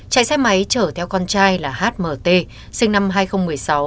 chạy xe máy chở theo con trai là hmt sinh năm hai nghìn một mươi sáu